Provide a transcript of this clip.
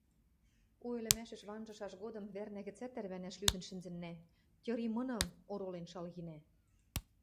У ӹлӹмӓшӹш ванжышаш годым вӓрна гӹцӓт тӓрвӓнӓш лӱдӹн шӹнзӹннӓ, тьыри мыным оролен шалгенӓ.